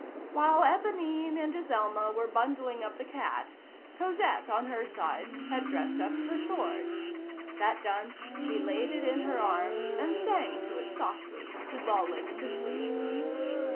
While Éponine and Azelma were bundling up the cat, Cosette, on her side, had dressed up her sword. That done, she laid it in her arms, and sang to it softly, to lull it to sleep.